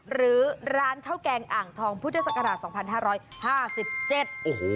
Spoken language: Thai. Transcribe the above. หรือร้านข้าวแกงอ่างทองพุทธศักราชสองพันห้าร้อยห้าสิบเจ็ดโอ้โห